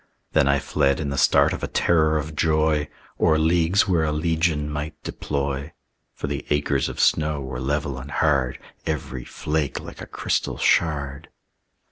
Then I fled in the start of a terror of joy, O'er leagues where a legion might deploy; For the acres of snow were level and hard, Every flake like a crystal shard.